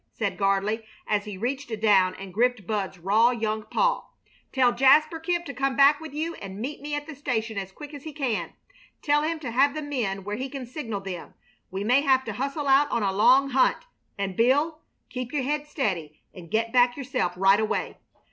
said Gardley, as he reached down and gripped Bud's rough young paw. "Tell Jasper Kemp to come back with you and meet me at the station as quick as he can. Tell him to have the men where he can signal them. We may have to hustle out on a long hunt; and, Bill, keep your head steady and get back yourself right away.